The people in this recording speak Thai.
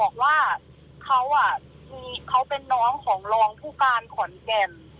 บอกว่าเขาเป็นน้องของรองผู้การขอนแก่น